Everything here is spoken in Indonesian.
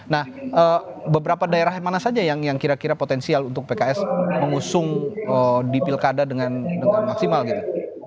nah beberapa daerah mana saja yang kira kira potensial untuk pks mengusung di pilkada dengan maksimal gitu